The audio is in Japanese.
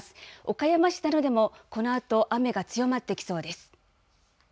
岡山市などでも、このあと、雨が強まってきそうです。